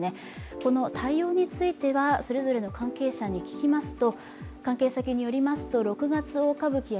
この対応についてはそれぞれの関係先に聞きました。